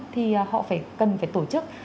thì họ cần phải tổ chức